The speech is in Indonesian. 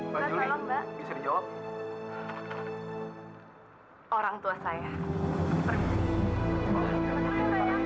pak juli bisa dijawab